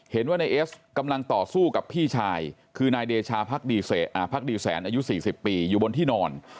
เห็นว่านายเอสกำลังต่อสู้กับพี่ชายคือนายเดชาพักดีแสนอายุ๔๐ปีอยู่บนที่นอน